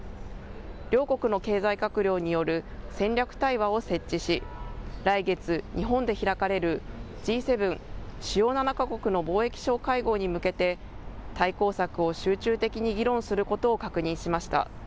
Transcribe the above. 両国の経済閣僚による戦略対話を設置し、来月、日本で開かれるＧ７・主要７か国の貿易相会合に向けて対抗策を集中的に議論することを確認しました。